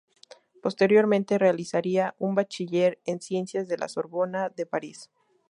Posteriormente realizaría un Bachiller en Ciencias de La Sorbona de París.